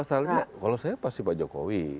masalahnya kalau saya pasti pak jokowi